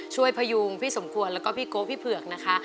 พยุงพี่สมควรแล้วก็พี่โก๊พี่เผือกนะคะ